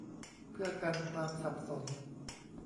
เพื่อกันความสับสน